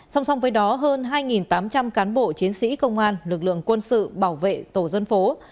song song với đó hơn hai tám trăm linh cán bộ chiến sĩ công an lực lượng quân sự bảo vệ tổ dân phố